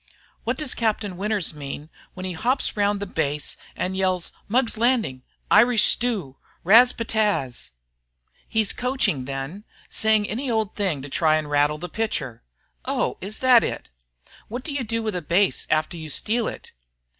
"What does Captain Winters mean when he hops round the base and yells 'Mugg's Landing! Irish stew! Ras patas'?" "He's coaching then, saying any old thing to try to rattle the pitcher." "Oh, is that it? What do you do with a base after you steal it?"